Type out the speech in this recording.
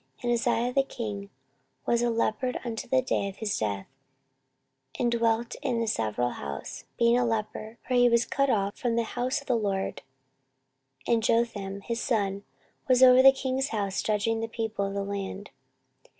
14:026:021 And Uzziah the king was a leper unto the day of his death, and dwelt in a several house, being a leper; for he was cut off from the house of the LORD: and Jotham his son was over the king's house, judging the people of the land.